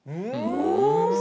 お！